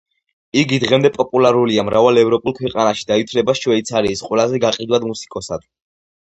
იგი დღემდე პოპულარულია მრავალ ევროპულ ქვეყანაში და ითვლება შვეიცარიის ყველაზე გაყიდვად მუსიკოსად.